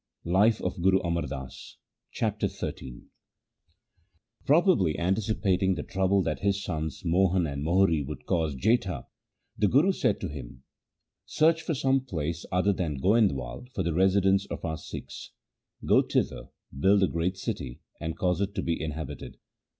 LIFE OF GURU AMAR DAS 141 Chapter XIII Probably anticipating the trouble that his sons Mohan and Mohri would cause Jetha, the Guru said to him, ' Search for some place other than Goindwal for the residence of our Sikhs. Go thither, build a great city, and cause it to be inhabited.